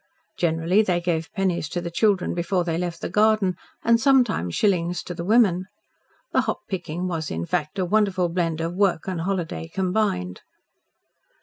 Generally they gave pennies to the children before they left the garden, and sometimes shillings to the women. The hop picking was, in fact, a wonderful blend of work and holiday combined.